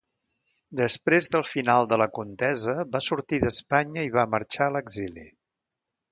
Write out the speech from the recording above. Després del final de la contesa va sortir d'Espanya i va marxar a l'exili.